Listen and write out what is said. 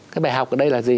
cái bài học ở đây là gì